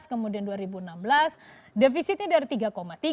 embaulung lebih kepada empat lina tulisan e ici